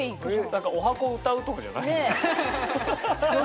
何かおはこを歌うとかじゃないの？